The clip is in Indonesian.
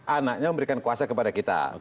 anaknya memberikan kuasa kepada kita